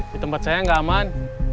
di tempat saya nggak aman